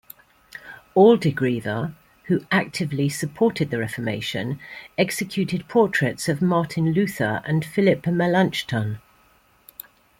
Aldegrever, who actively supported the Reformation, executed portraits of Martin Luther and Philip Melanchton.